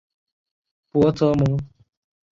博泽蒙。